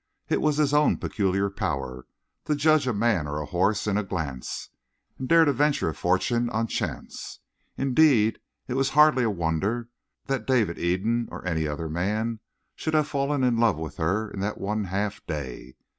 It was his own peculiar power to judge a man or a horse in a glance, and dare to venture a fortune on chance. Indeed, it was hardly a wonder that David Eden or any other man should have fallen in love with her in that one half day.